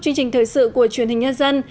chương trình thời sự của truyền hình nhân dân